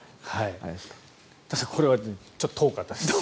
これはちょっと遠かったです。